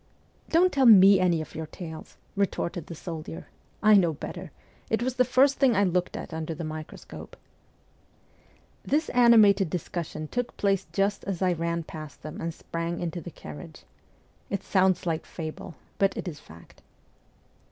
Don't tell me any of your tales !' retorted the soldier. ' I know better. It was the first thing I looked at under the microscope.' This animated discussion took place just as I ran past them and sprang into the carriage. It sounds like fable, but it is fact.